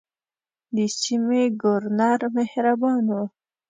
د سیمې ګورنر مهربان وو.